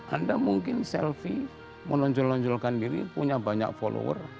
anda mungkin selfie menonjol nonjolkan diri punya banyak follower